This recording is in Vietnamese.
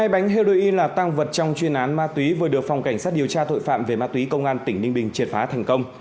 hai bánh heroin là tăng vật trong chuyên án ma túy vừa được phòng cảnh sát điều tra tội phạm về ma túy công an tỉnh ninh bình triệt phá thành công